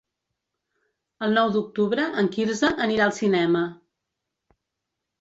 El nou d'octubre en Quirze anirà al cinema.